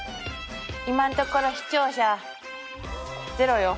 今んところ視聴者０よ。